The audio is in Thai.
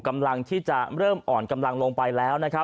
กำลังที่จะเริ่มอ่อนกำลังลงไปแล้วนะครับ